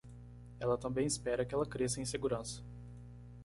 Ela também espera que ela cresça em segurança.